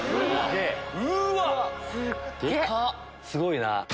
すごいな。